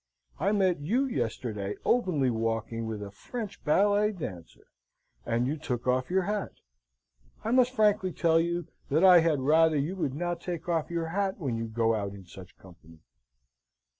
I met you yesterday openly walking with a French ballet dancer, and you took off your hat. I must frankly tell you, that I had rather you would not take off your hat when you go out in such company."